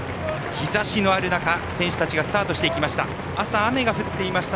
日ざしのある中、選手たちがスタートしていきました。